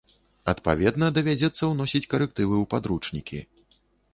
Адпаведна, давядзецца ўносіць карэктывы ў падручнікі.